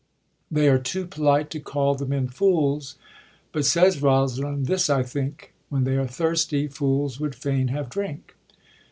They are too polite to call the men fools; but says Rosaline, " this I think : When they are thirsty, fools would fain have drink."